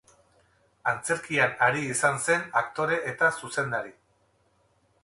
Antzerkian ari izan zen aktore eta zuzendari.